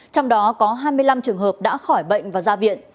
trong đó có hai mươi năm trường hợp đã khỏi bệnh và ra viện